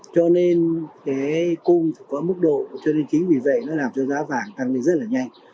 cho nên cái cung có mức độ cho nên chính vì vậy nó làm cho giá vàng tăng lên rất là nhanh